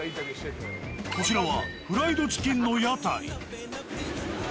こちらは、フライドチキンの屋台。